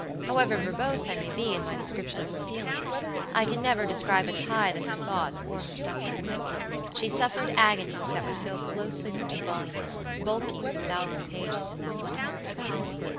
However verbose I may be in my description of her feelings, I can never describe a tithe of her thoughts or her sufferings. She suffered agonies that would fill closely printed volumes, bulky with a thousand pages, in that one horrible night.